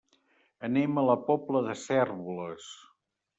Anem a la Pobla de Cérvoles.